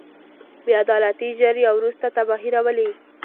بې عدالتي ژر یا وروسته تباهي راولي.